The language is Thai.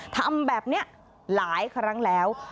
ทำแบบนี้หลายครั้งแล้ว